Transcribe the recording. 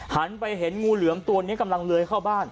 หันไปเห็นงูเหลือมตัวนี้กำลังเลื้อยเข้าบ้าน